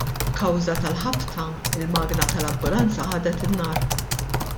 B'kawża tal-ħabta, il-magna tal-ambulanza ħadet in-nar.